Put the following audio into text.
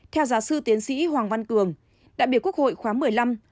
theo giáo sư tiến sĩ hoàng văn cường đại biểu quốc hội khóa một mươi năm